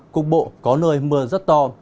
cục bộ có nơi mưa rất to